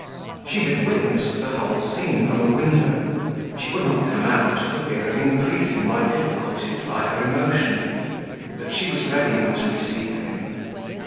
She had witnessed the whole scene from a window; she would not come out for fear of increasing my difficulties by her emotion, but she was ready now to receive him.